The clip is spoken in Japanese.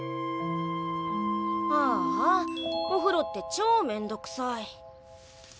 ああおふろってちょうめんどくさい。